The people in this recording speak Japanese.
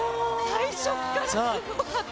最初っからすごかった。